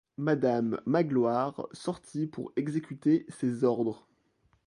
Madame Magloire sortit pour exécuter ces ordres.